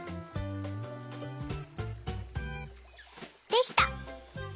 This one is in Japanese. できた！